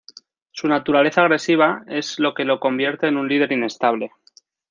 Su naturaleza agresiva es lo que lo convierte en un líder inestable.